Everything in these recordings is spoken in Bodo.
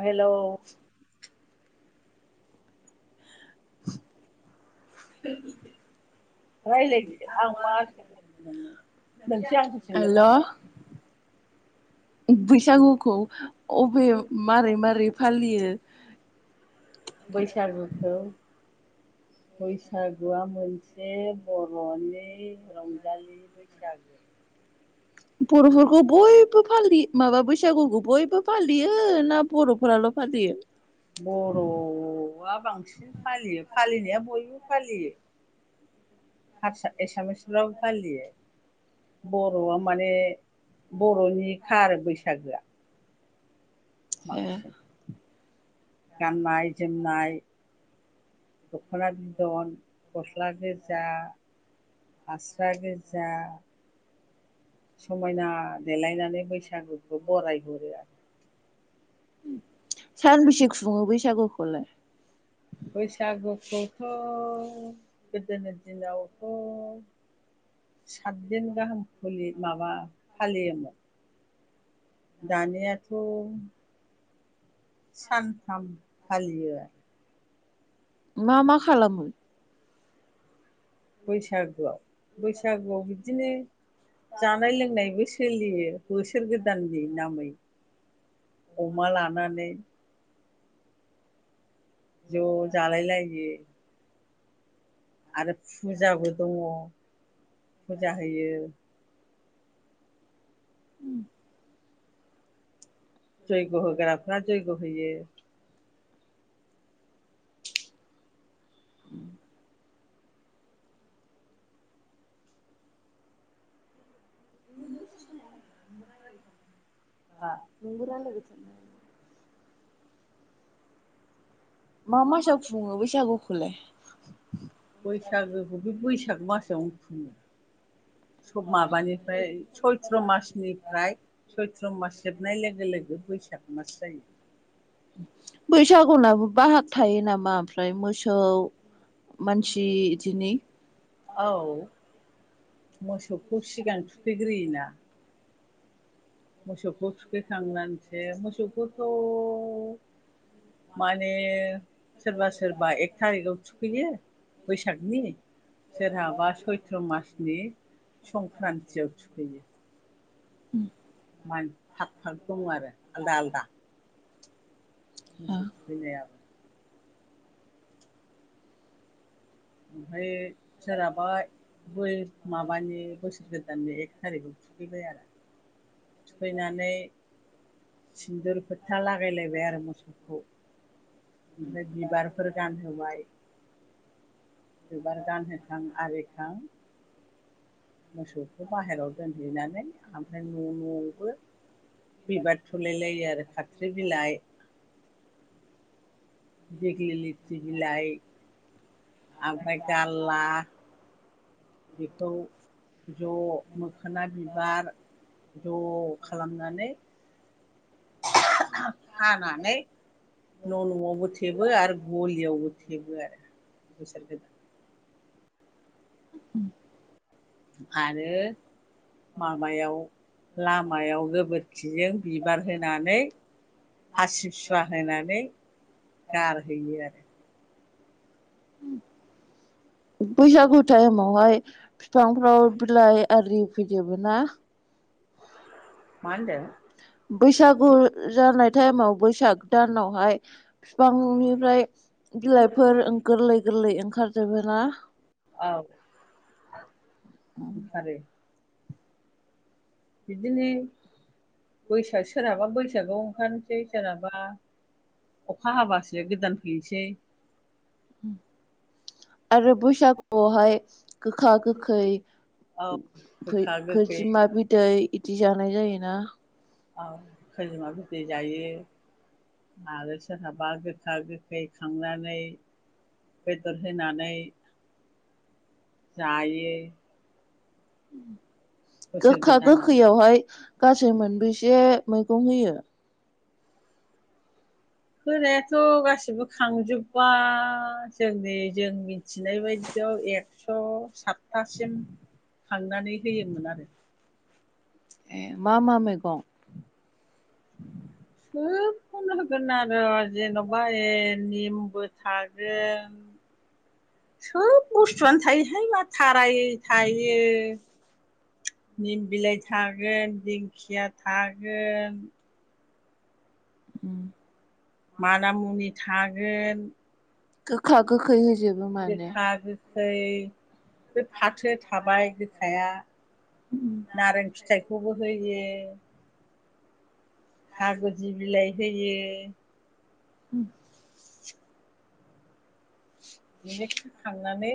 हेलौ [inaudible] रायलायदो आं मा सोंगोन नोंनो नोंसो आंखौ सोंगोन हेल' नालाय बैसागुखौ अबे मारै मारै फालियो बैसागुखौ बैसागुआ मोनसे बर'नि रंजालि बैसागो बर'फोरखौ बयबो फालियो माबा बैसागुखौ बयबो फालियो ना बर'फोराल' फालियो बर'आ बांसिन फालियो फालिनाया बयबो फालियो हारसा एसामिसफ्राबो फालियो बर'आ माने बर'निखा आरो बैसागोआ ए बांसिन गाननाय जोमनाय दख'ना बिदन गस्ला गोजा हास्रा गोजा समायना देलायनानै बैसागुखौ बरायहरो आरो सानबेसे खुङो बैसागुखौलाय बैसागुखौथ' गोदोनि दिनावथ' साथदिन गाहाम खुलि माबा फालियोमोन दानियाथ' सानथाम फालियो मा मा खालामो बैसागोआव बैसागुआव बि बिदिनो जानाय लोंनायबो सोलियो बोसोर बोसोर गोदाननि नामै अमा लानानै ज' जालाय लायो आरो फुजाबो दङ फुजा होयो जैग होग्राफोरा जैग होयो बिदिनो समाव नोंबो रायलायबाय थानो हायो मा मासाव खुङो बैसागुखौ खौलाय बैसागोखौ बे बैसाग मासआवनो खुङो सग माबानिफ्राय सयथ्र' मासनिफ्राय सय सैत्र मास जोबनाय लोगो लोगो बैसाग मास जायो बैसागुनाबो बाहाग थायो नामा ओमफ्राय मोसौ सौ मानसि इदिनो औ मोसौखौ सिगां थुखैग्रोयोना मोसौखौ थुखैखांनानैसो मोसौखौथ' माने सोरबा सोरबा एक थारिखआव थुखैयो बैसागनि सोरहाबा सयथ्र' मासनि संक्रान्तियाव थुखैयो मान थाग फाख फाग दङ आरो आलदा आलदा मोसौ थुखैनायाबो ओमफाय सोरहाबा बै माबानि बोसोर गोदाननि एक थारिखआव थुखैबाय आरो थुखैनानै सिन्दुर फोथा लागायलायबाय आरो मोसौखौ ओमफ्राय बिबारफोर गानहोबाय बिबार गानहोखां आरिखां मोसौखौ बाहेरायाव दोनहैनानै ओमफ्राय न' न'आवबो बिबार थुलाय लायो आरो खथ्रि बिलाइ दिगलिथि लिथि बिलाइ ओमफ्राय गारला बेखौ ज' मोखोना बिबार ज' खालामनानै हानानै न' न'आवबो थेबो आरो गलियावबो थेबो आरो बोसोर गोदान उम आरो माबायाव लामायाव गोबोरखिजों बिबार होनानै हासिफ सुवा होनानै गारहैयो आरो [inaudible] बैसागु टाइमावहाय बिफांफ्राव बिलाइ आरि फैजोबो ना मा होनदों बैसागु जानाय टाइमाव बैसाग दानावहाय बिफांनिफ्राय बिलाइफोर गोरलै गोरलै खार जोबोना औ सार बिदिनो बैसोआ सोरहाबा बैसो बैसागआव ओंखारसै सोरनाबा अखा हाबासो गोदान फैनोसै [inaudible] आरो बैसागुआवहाय गोखा गोखै औ खै गोखा गोखै खैजिमा बिदै बिदि जा नाय जायोना औ खैजोमा बिदै जायो आरो सोरहाबा गोखा गोखै खांनानै बेदर होनानै जायो उम बोसोर गोखा गोदानाव गोखैयावहाय गासै मोनबैसे मैगं होयो होनायाथ' गासिबो खांजोबबा जोंनि जों मिथिनाय बायदियाव एक्स' सातथासिम खांनानै होयोमोन आरो ए मा मा मैगं खोब खोनो होगोन आरो जेन'बा ए निमबो थागोन सोब बुस्थुआनो थायोहाय माथाराय थायो निम बिलाइ थागोन बि दिंखिया थागोन उम मानामुनि थाग गोन गोखा गोखै होजोब गोखा गोखै फै बे फाथो थाबाय गोखाया नारें फिथाइ खौबो होयो खागुजि बिलाय होयो उम [inaudible] मिकस होखांनानै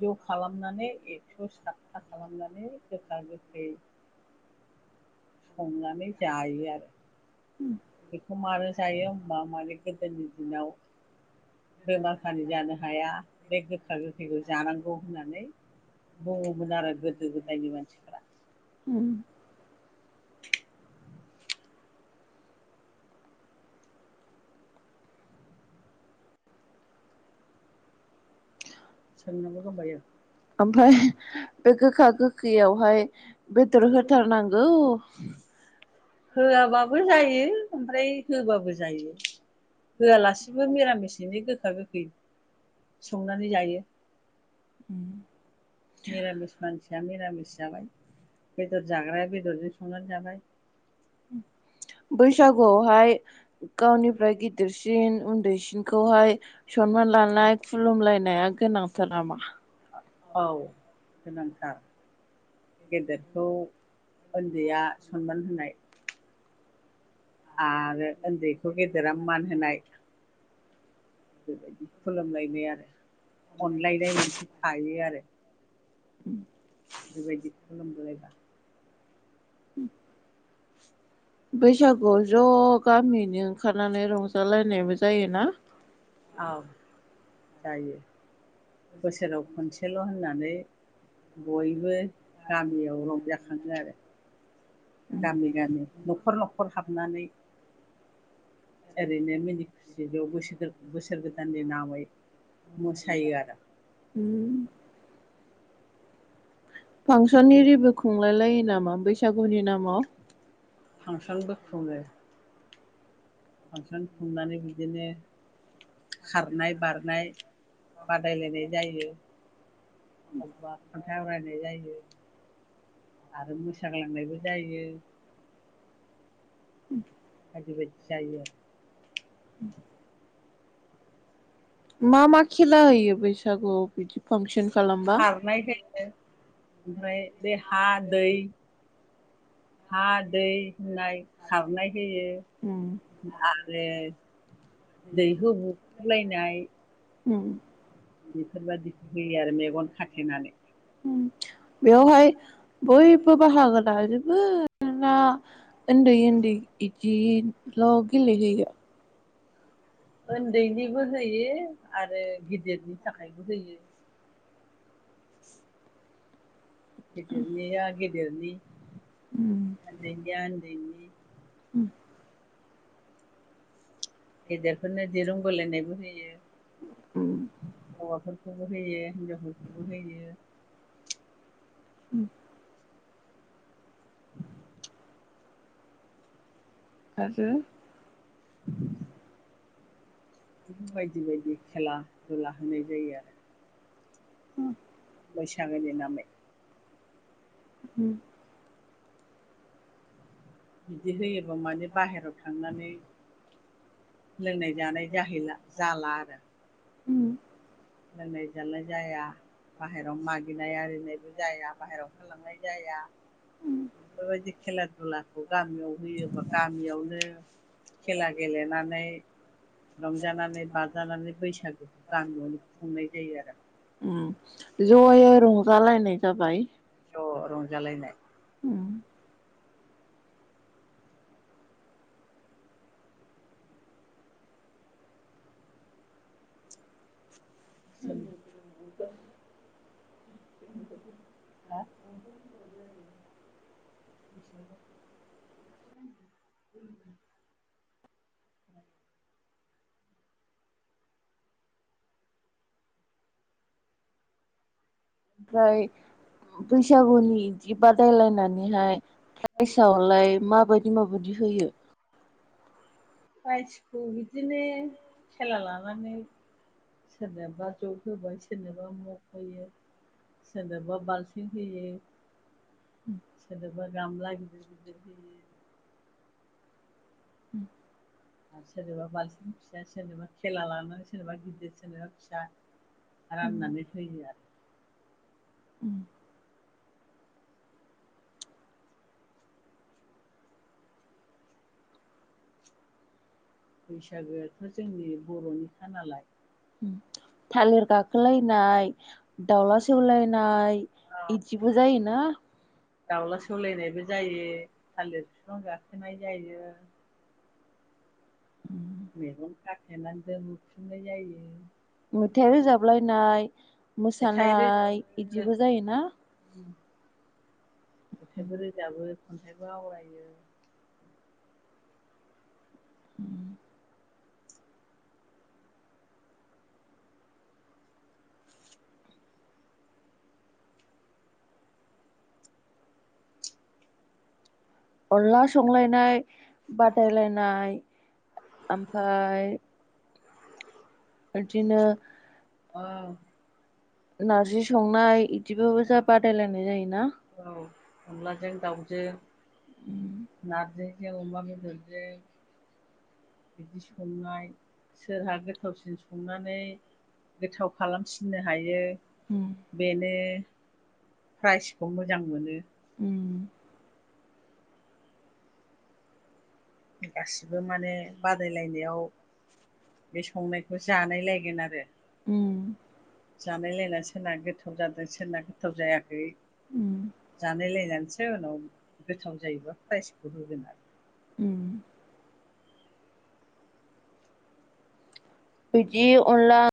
ज खालामनानै एक्स सातथा खालामनानै गोखा गोखै संनानै जायो आरो बेखौ मानो जायो‌ होनबा माने गोदोनि दिनाव बेमार फारि जानो हाया बे गोखा गोखैखौ जानांगौ ग होननानै बुङोमोन आरो गोदो गोदायनि मानसिफोरा उम सोंनांगौ दंबायो ओमफ्राय बे गोखा गोखैयावहाय बेदर होथारनांगौ होयाब बाबो जायो ओमफ्राय होबाबो जायो। होयालासिबो मिरामिसैनो गो गोखा गोखै संनानै जायो। उम मिरामिस मानसि मिरामिस जाबाय बेदर जाग्राया बेदरजों संनानै जाबाय। बैसागुआवहाय गावनिफ्राय गिदिरसिन उन्दैसिनखौहाय सनमान लानाय खुलुमलायनाया गोनांथार नामा? औ गोनांथार गेदेरखौ उन्दैया सनमान होनाय आरो उन्दैखौ गेदेरा मान होनाय बेबायदि खुलुमलायनाय आरो। अनलायनाय मोनसे थायो आरो बेबायदि खुलुम जायबा बैसागुआव ज गामियैनो ओखारनानै रंजालायनायबो जायो ना। औ जायो बोसोराव खनसेल होननानै बयबो गामियाव रंजाखाङो आरो। गामि गामि नखर नखर नखर हाबनानै ओरैनो मिनि खुसि ज बोसोर गोदाननि नामै मोसायो आरो। उम फांसननि इरिबो खुंलाय लायो नामा? मा बैसागुनि नामाव फांसनबो खुङो। फांसन खुंनानै बिदिनो खारनाय बारनाय बादायलायनाय जायो। अबा खन्थाइ आवरायनाय जायो आरो मोसाग्लांनायबो जायो। उम बायदि बायदि जायो आरो। उम मा मा खेला होयो बैसागुआव? बेदि फांसन खालामबा खारनाय होयो ओमफ्राय बे हा दै हा दै होननाय खारनाय होयो उम आरो दैहु बु लायनाय उम बेफोरबायदिखौ होयो आरो मेगन खाथेनानै उम बेवहाय बयबो बाहागो ला बो ना ओन्दै ओन्दै इदि ल गेलेहोयो ओन्दैनिबो होयो आरो गिदिरनि थाखायबो होयो हदि रागदनि उम आ दै [unintelligible] गेदेरफोरनो दिरुं बोलायनायबो होयो उम हौवाफोरखौबो होयो हिनजावफोरखौबो होयो उम आरो बि बायदि बायदि खेला दुला होनाय जायो आरो [inaudible] बै सागोनि नामै उम बिदि होयो गोबां माने बाहेरायाव थांनानै लोंनाय जानाय जाहैला जाला आरो उम लोंनाय जानाय जाया बाहेरायाव मागिनाय आरिनायबो जाया बाहेरायाव ओंखारलांनाय जाया बेफोरबायदि खेला दुलाखौ गामियाव होयोबा गामियावनो खेला गेलेनानै रंजानानै बाजानानै बैसागोखौ गामियावनो संनाय जायो आरो उम जयै रंजालायनाय जाबाय जब रंजालायनाय उम [inaudible] दा [unintelligible] [unintelligible] ओमफ्राय बैसागुनि बिदि बादायलायनानैहाय प्राइजआवलाय माबायदि माबायदि होयो प्राइखौ बिदिनो खेला लानानै सोरनोबा जग होबाय सोरनोबा मग होयो सोरनोबा बाल्थिं होयो सोरनोबा गामला गिदिर गिदिर होयो आरो सोरनोबा बाल्थिं फिसा सोरनोबा खेला लानानै सोरनोबा गिदिर सोरनोबा फिसा राननानै होयो आरो उम बैसागोआथ' जोंनि बर'निखा नालाय थालिर गाखोलायनाय दाउला सौवलायनाय बिदिबो जायोना दाउला सौलायनायबो जायो थालिर बिफां गाखोनाय जायो मैगन खाथेनानै दो बुख्रुबनाय जायो मेथाइ रोजाबलायनाय मेथाइ रोजाबो मोसानाय बिदिबो जायोना मेथाइबो रोजाबो खनथाइबो आवरायो उम अनला संलायनाय बादायलायनाय ओमफ्राय बिदिनो औ नारजि संनाय इदिबाबो जा औ बादायलायनाय जायोना औ अनलाजों दाउजों नारजि अमा बेेदरजों बिदि संनाय सोरहा गोथावसिन संनानै गोथाव खालामफिननो हायो बेनो प्राइजखौ मोजां मोनो गासिबो माने बादायलायनायाव बे संनायखौ जानायलायगोन आरो उम जानाय लायना सोरना गोथाव जादों सोरना गोथाव जायाखै जानाय लायनानैसो उनाव गोथाव जायोबा प्राइजखौ होगोन आरो उम बिदि अनला